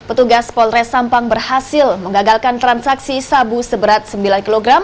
petugas polres sampang berhasil mengagalkan transaksi sabu seberat sembilan kg